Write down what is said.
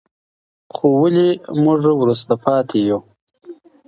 خو ولې موږ وروسته پاتې یو؟